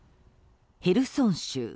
ヘルソン州